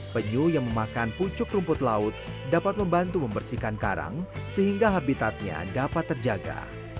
penyu yang memakan pucuk rumput laut dapat membantu membersihkan karang sehingga habitatnya dapat terjaga